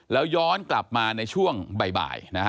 แล้วย้อนกลับมาในช่วงบ่ายนะฮะ